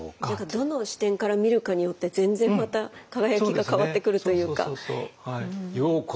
どの視点から見るかによって全然また輝きが変わってくるというか。